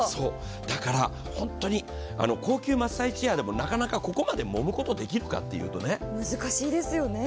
だから、高級マッサージチェアでもここまでもむことができるかというと難しいですよね。